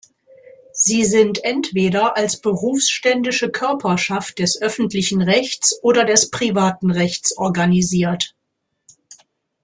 Sie sind entweder als Berufsständische Körperschaft des öffentlichen Rechts oder des privaten Rechts organisiert.